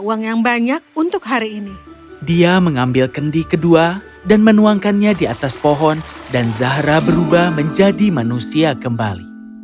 zahra mengambil kendi kedua dan menuangkannya di atas pohon dan zahra berubah menjadi manusia kembali